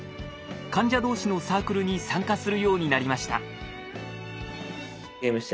患者同士のサークルに参加するようになりました。